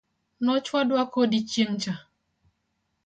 Nochwadwa kodi chieng cha.